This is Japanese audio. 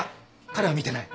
彼は見てない。